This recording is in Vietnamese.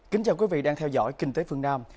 kính chào quý vị đang theo dõi kinh tế phương nam